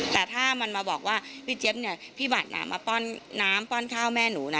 แต่ถ้ามันมาบอกว่าพี่เจี๊ยบเนี่ยพี่บัตรมาป้อนน้ำป้อนข้าวแม่หนูนะ